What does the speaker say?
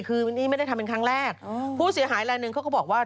คือนี่ไม่ได้ทำเป็นครั้งแรกผู้เสียหายลายหนึ่งเขาก็บอกว่า